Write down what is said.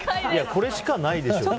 これしかないでしょ。